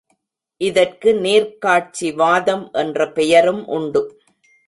இதற்கு நேர்க்காட்சி வாதம் என்ற பெயரும் உண்டு.